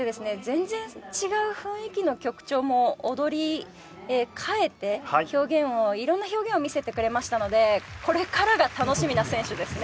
全然違う雰囲気の曲調も踊り替えて表現を色んな表現を見せてくれましたのでこれからが楽しみな選手ですね。